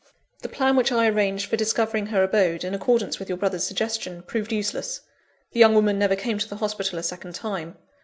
"The plan which I arranged for discovering her abode, in accordance with your brother's suggestion, proved useless. The young woman never came to the hospital a second time.